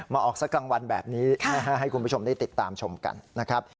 ออกสักกลางวันแบบนี้ให้คุณผู้ชมได้ติดตามชมกันนะครับ